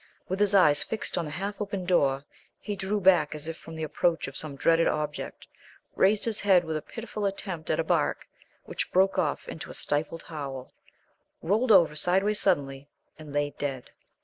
With his eyes fixed on the half open door, he drew back as if from the approach of some dreaded object, raised his head with a pitiful attempt at a bark, which broke off into a stifled howl, rolled over sideways suddenly, and lay dead.